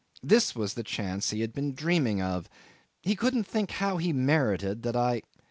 This was a chance he had been dreaming of. He couldn't think how he merited that I